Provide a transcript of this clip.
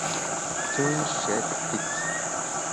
Sun shèt fit.